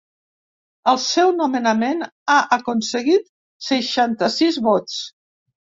El seu nomenament ha aconseguit seixanta-sis vots.